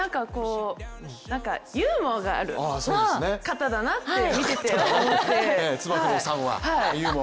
ユーモアがある方だなって見てて思って。